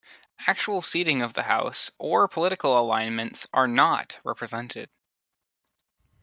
Actual seating of the House or political alignments are not represented.